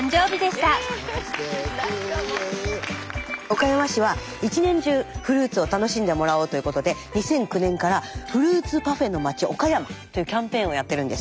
岡山市は１年中フルーツを楽しんでもらおうということで２００９年から「フルーツパフェの街おかやま」というキャンペーンをやってるんです。